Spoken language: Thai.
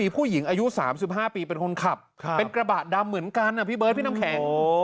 ผู้หญิงอายุ๓๕ปีเป็นคนขับเป็นกระบะดำเหมือนกันนะพี่เบิร์ดพี่น้ำแข็ง